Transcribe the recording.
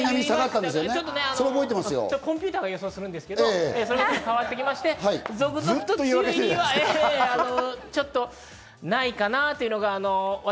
コンピューターが予想するんですけど、ちょっと変わってきまして、急にはちょっとないかなぁという。